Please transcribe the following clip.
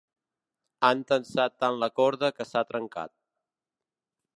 Han tensat tant la corda que s'ha trencat.